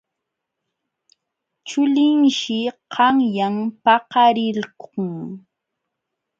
Chulinshi qanyan paqarilqun.